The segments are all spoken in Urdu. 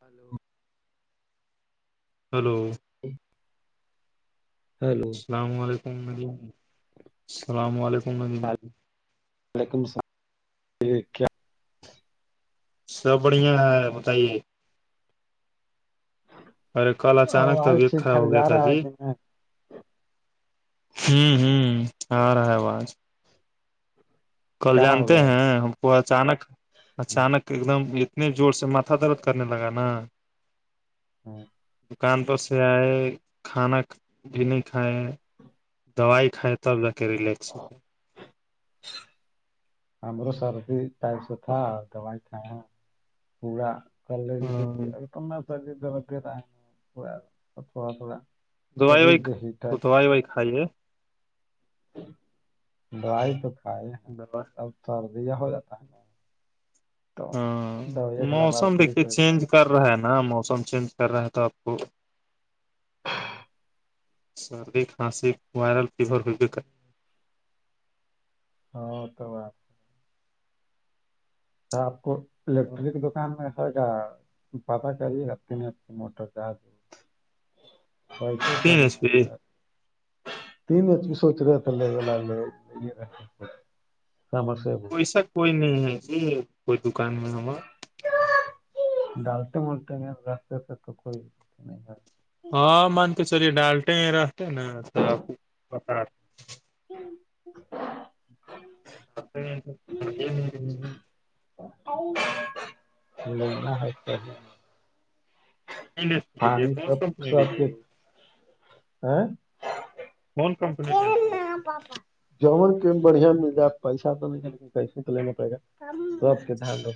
پلو ہلو ہیلو السلام علیکم ن السلام علیکم ندم وعلیکم السلام سب بڑھیا ہے بتائیے ارے کل اچانک توب آواز ٹھیک اکھا ٹھاک ہو گیا جا تھا رہا ہے جی کہ نہیں ہوں ہوں آ رہا ہے آواز کل کیا ہو جانتے گیا ہیں ہم کو اچانک اچانک ایک دم اتنے زور سے ماتھا درد کرنے لگا نا ہاں دکان پ سے آئے کھانا بھی نہیں کھائے دوائی کھائے تب جا کر ری لیک ہممر سردی پ س تھا دائی تھایں پا کر لے جی سک ہاں ا تو میں سر دھر ر رہ تھڑا تھوڑا تھوڑا دوائی وائی شریر پہ تو ہیٹر دوائی وائی کھائیے دوائی تو کھائے ہیں دوا اب سرد ہو جاتا ہے نا تو ہاں دوائییا کھانے کے بعد موسم بڑی دیکھیے سردی چینج دکھتا کر رہا ہے نا موسم چینج کر رہا ہے تو آپ کو سردی ہانسی وائرل فیور ہو بھی کر ہاں تو بات س آپ کو الیکٹرک دکان میں گا پاتا چی ر ت میں موٹر گاز س تو تین سرے ایچ پی تین سوچ رہ تھلے سامس ب پیسا کوئی نہیں ہے یہ ہے کوئی دکان میں ہما ڈالتے بولتے گ راستے سے تو کوئی نہیں ہاں مان کے چلیے ڈالتے ہیں رہتے نا توپ بتا [unintelligible] ہوں س لنا ہے ہے لیجیے پانی کون سب کمپنی سب کھ لیجیے ا کون کمپنی لینا ہے کہنا پاپا جمن کی بڑھیا مل جائے پیسہ تو نہیں ہے لیکن کیسے تو لینا پڑے گا س کے دھان دو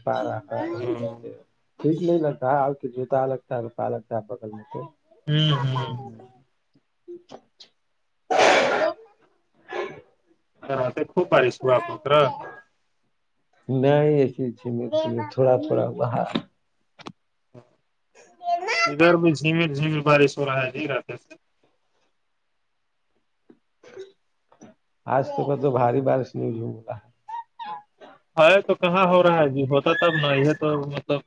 ٹھیک نہیں لگتا ہے آ کے جوتا لگتا ہے روپ لگتا ہے بگل میں سے ہوں ہ [inaudible] [unintelligible] نہیں ایک چیز میں تھوڑا تھوڑا باہر ادھر بھی جمیر جھیمیر بارش ہو رہا ہے ج رات سے آج تو کا تو باری بارش نہیں [unintelligible] ہ تو کہاں ہو رہا ہے ج ہوتا تب نا یہ تو مطلب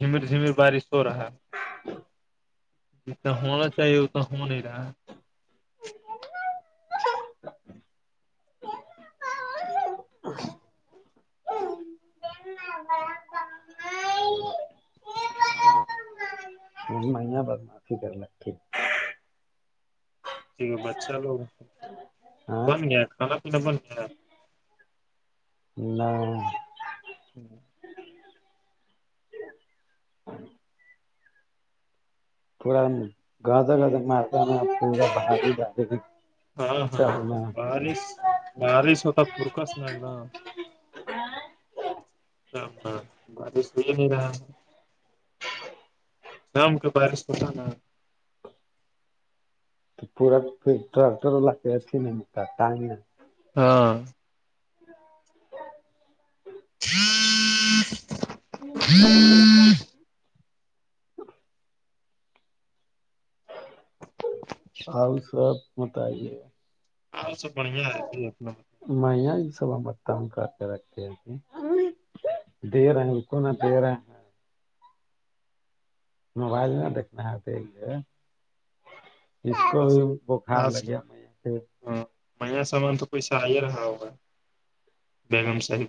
جمر جمر بارش رہا جتنا ہونا چاہیے اتنا ہو نہیں رہا ہے [unintelligible] ا [unintelligible] [unintelligible] یا بس معافی کر لکھی [unintelligible] بچا لوگ ہاں بن گیا کھانا پینا بن گیا نہیں [inaudible] پورا گدا گد مارتا [unintelligible] ہاں ہاں کرنا بارش بارش ہوتا پرکاس ن ایک دم بارش کھل نہیں رہا [unintelligible] نام کے بار پت نا تو پورا پھر ررھی نہیں ٹگ ہاں [unintelligible] آپ سب متائے گ اور سب بڑھیا ہےنا میںیا سل بتا ہوں کر کے رکھتی کہ دیرا ہے رک نا دیر ہے ص موبائل میں دیکنا ہےتے اس کو بس بھی بخار آج لگیا میں یہاں پ ہاں نیا سامان تو پسا آ ہی رہا ہوگا بیگم صاحب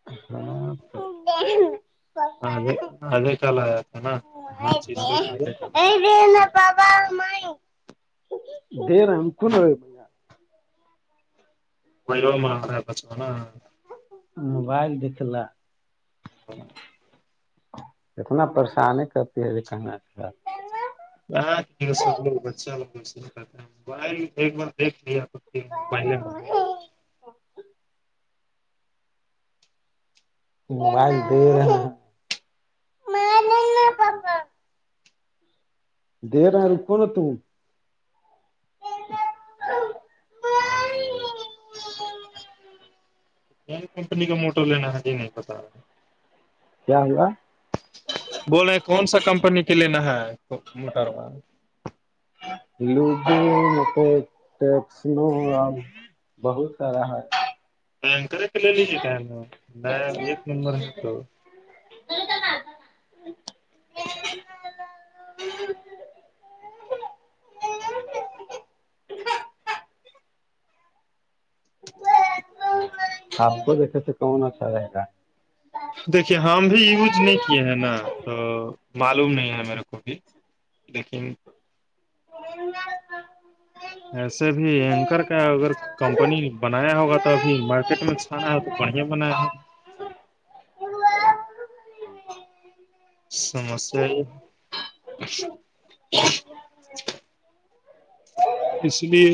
ہاں آدھے آدھے کل آیا تھا نا تو پچیس سو روپیہ [unintelligible] [unintelligible] [unintelligible] موبائل دیکلا [unintelligible] اتنا پریشانی ہی کرتی ہے ک [unintelligible] [unintelligible] [unintelligible] [unintelligible] کیا کمپنی کا موٹر لینا ہے یہ نہیں پتا کیا ہوا بولے کون سا کمپنی کے لینا ہے موٹر [unintelligible] بہت سارا ہے کرر کے لی لی ش کا میں ایک نمبر ہے تو [unintelligible] [inaudible] آپ کو یکھ کے کون اچھا جائے گا دیکھیے ہم بھی یوز نہیں کیے ہیں نا تو معلوم نہیں ہے میرے کو بھی لیکن ایسے بھی اینکر کا اگر کمپنی بنایا ہوگا تو ابھی مارکیٹ میں چھانا ہے تو بڑھیا بنایا ہوگا سمسیا یہ اس لیے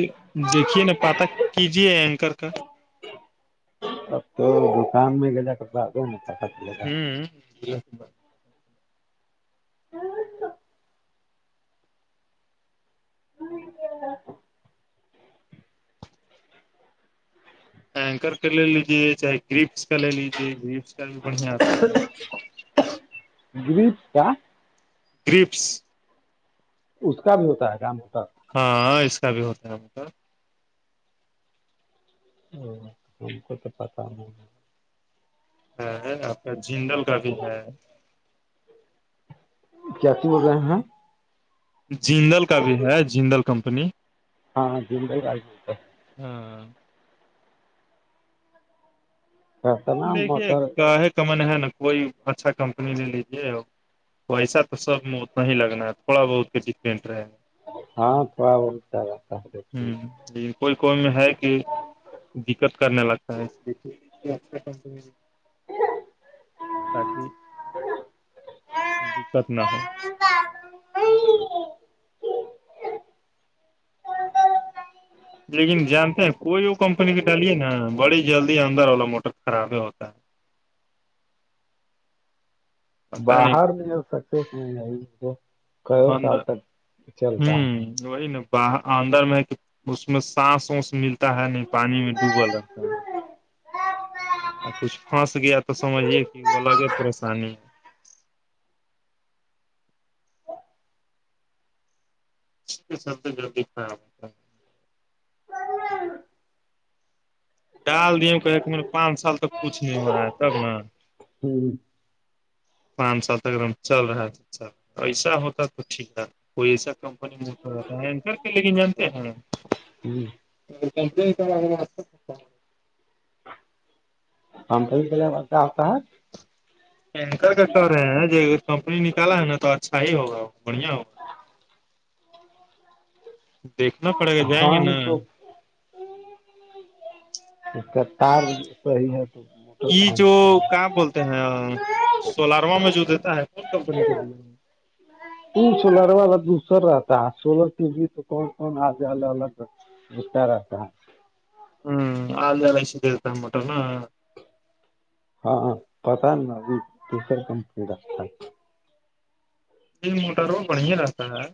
دیکھیے نا پاتہ کیجیے اینکر کا اب تو دکان میں گ کر تو آگ ن پ چے گ ٹ ب اینکر کا لے لیجے چاہے گپس کا لے لیجیے گپس کا بھی بڑھیا آتا اچ کیا کرپس اس کا بھی ہوتا ہے کام ہوتا ہاں اس کا بھی ہوتا ہے مطلب ا ہم کو تو پتا ہو آپ کا جڈل کا بھی ہے کیاچ بول رہے ہیں جینندل کا بھی ہے جندل کمپنی ہاں جن ب آال ہو ہے ہاں رتنا دیکھیے موٹر کا ہے کمن ہے نا کوئی اچھا کمپنی لے لیجے ویسا تو سب میں اتنا ہی لگنا ہے تھوڑا بہت کے ڈفرینٹ رہے گا ہاں تھوڑا وہولتا رہتا لن کوئی کوئی میں ہے کہ دقت کرنے لگتا ہے اس لیےیک ا تاک دقت نہ ہو ہ [inaudible] لیکن جانتے ہیں کوئی وہ کمپنی کی ڈالے نا بڑی جلدی اندر والا موٹر خراب ہی ہوتا ہے پتا نہیں باہر ن سکسیس نہیں آئی کئی سال اندر تک چلتا ہے ہوں وہی نا باہر اندر میں ہے کہ اس میں سانس وس ملتی تا ہے نہیں پانی میں ڈوبل رہتا ہے کچھ پھنس گیا تو سمجھیے کہ وہ الگ ہی پریشانی ہے سب سے جلدی خراب ہوتا ہے ہمم ڈال دیے کہے م پانچ سال تک کچھ نہیں ہو رہا ہے تب نا ہوں پانچ سال اگر ہم چل رہا ہے ایسا ہوتا تو ٹھیک ہے کوئی ایسا کمپنی بک کر تھا ک لےگنانتے ہیں ہوں کم ہم پ آتا ہ پینکر کا کہ رہے ہیں ج اگر کمپنی نکالا ہے نا تو اچھا ہی ہوگا بڑھیا ہوگا دیکھنا پڑے گا جائیں گے ہاں نا تو اس کا تار صحیح ہے تو موٹر یہ کہاں جو نہیں صحیح کہاں بولتے ہیں ہے سولاروا میں جو دیتا ہے کون کمپنی کا دیا ت سولر والا دوسر رہتا ہے سولر ٹی وی تو کون کون آگ الگ الگ رہتا بستار تھا ہوں آال جال اشتا ان مٹر نا ہاں پتا ن ابھی کیسر کمپنی رکھتا یہ موٹرو بڑھیا رستا ہے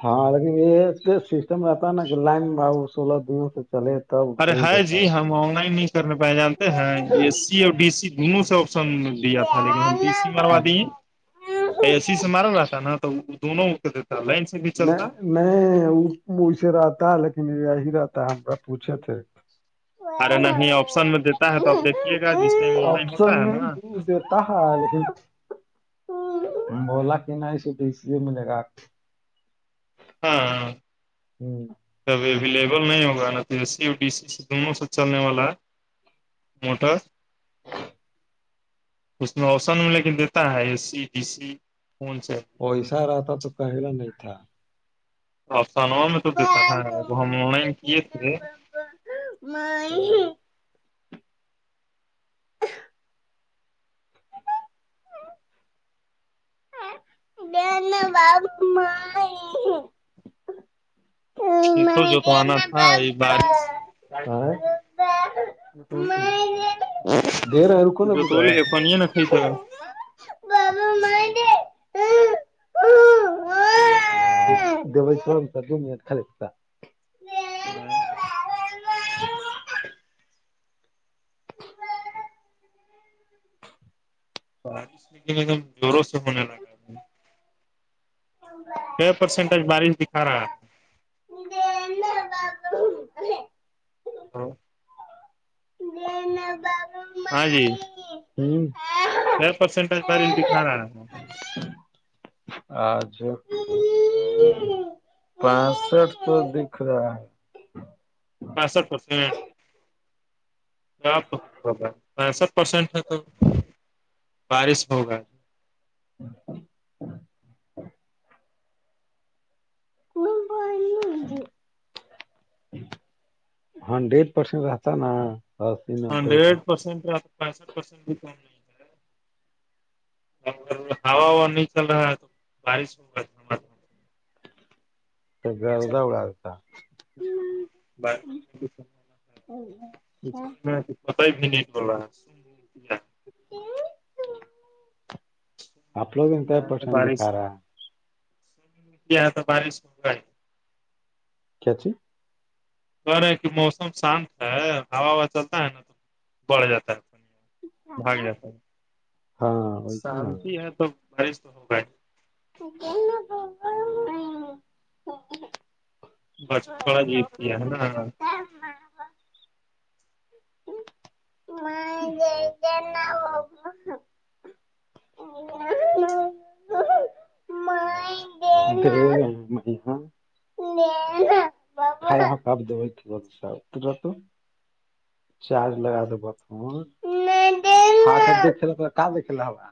ہاں لیکن یہ سسٹم رہتا ہے نا کہ لائن ب سولہ دنوں سے چلے تب ارے بہت ہے اچھا رہتا جی ہم آن لائن نہیں کرنے پہ جانتے ہیں اے سی اور ڈی سی دونوں سا دیا تھا لیکن ہم بی سی ماروا دی اے سی سے مار رہا تھا نا تو دونوں کو دیتا لائس نہیں نہیں اسی سے رہتا لیکن یہی رہتا ہما پوچھے تھے ارے نہیں آپشن میں دیتا ہے تو آپ دیکھیے گا جس ٹائم آن لائن ہوتا آپشن ہے میں نا دیتا بولا کہ نہیں سٹیسیے ملے گ ہ ہاں ہاں ہوں اب اویلیبل نہیں ہوگا نا تو اے سی ڈی سی سی دونوں سے چلنے والا ہے موٹا ہ اس میں اوسن میں لے کے دیتا ہے اے سی بیی سی فون سے ویسا رہاتا تو کہےلا نہیں تھا آفسانو میں تو دیتا ہے ا ہم آن لائن کیے تھے تو باب مائی سی تو میں جوتونا دینا تھا ا بابا بارش ہاں دے رہا ہے رکو نا جو بیٹا تولیے فنیا نہ کائیتا بابا مائ دے دب شرم س دو منٹ کال کا ہوں بارش نکنے میں ایک دم زوروں سے ہونے لگا ہے ہ چھ پرسنٹج بارش دکھا رہا ہے کر ارے ہاں ج ہاں جی ہوں کیا پرسنٹج بری دکھ رہ آجھ پسٹھ تو دکھ رہا ہے بسٹ پرسنٹ گا پینسٹھ پرسینٹ ہے تو بارش ہوگا ہ کوئی پلے ہنڈریڈ پرسینٹ رہتا نا اسی نبے کا ہنڈریڈ پسٹ را پسٹھ پٹ بھی ک ہے ہوا وا نہیں چل رہا ہے تو بارش میں ہوا اتا ب ا ہاں پت بھی نہیں بو آپ لوگ ات پسند دکھا رہا ہے س نکلی آ تھا بارش مگا ہے کیاچ اے کہ موسم شانت ہے ہا ہوا چلتا ہے نا تو بڑھ جاتا ہے بھاگ جات ہے ہاں ویسے شانتی ہے تو بارش تو ہوگا ہی ہو بچپا بہت جیتی ہے ہے نا باب منا وہ ا م ہ ح کاب د ب کی ب سا تو چارج لگا دبہ ہ سب دیک پ کاں دیکھ ل ہا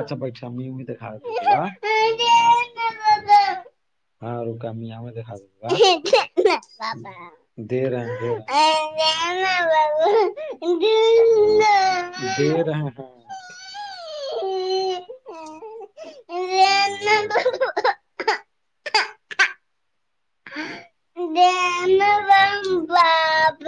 اچھا بٹٹا بھی دھا ہاں گیں دیکھا د گ دے رہا ہیں ا جانا ب گندا د رہ ہ ا [unintelligible] جان رم باب